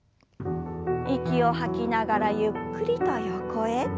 息を吐きながらゆっくりと横へ。